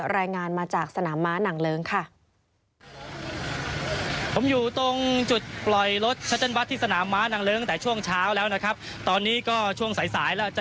รายงานมาจากสนามม้านางเลิ้งค่ะ